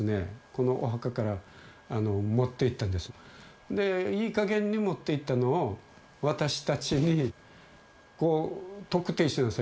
このお墓から持っていったんですでいい加減に持っていったのを私達にこう特定しなさい